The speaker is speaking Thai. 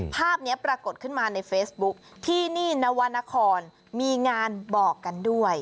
ภาพนี้ปรากฏขึ้นมาในเฟซบุ๊คที่นี่นวรรณครมีงานบอกกันด้วย